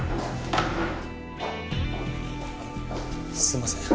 すいません。